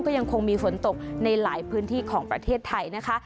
ก็ยังคงมีฝนตกในหลายพื้นที่ของประเทศไทยนะคะ